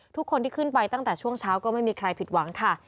ทุกคนที่ขึ้นไปตั้งแต่ช่วงเช้าก็ไม่มีใครผิดหวังค่ะ